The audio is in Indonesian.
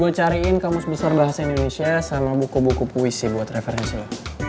udah gue cariin kamus besar bahasa indonesia sama buku buku puisi buat referensi lo